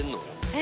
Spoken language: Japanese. え！